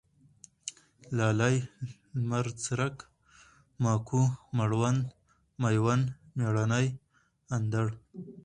لالی ، لمرڅرک ، ماکو ، مړوند ، مېوند ، مېړنی، اندړ